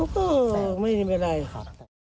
ก็ไม่เป็นไรค่ะ